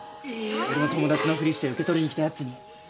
俺の友達のふりして受け取りに来たやつに。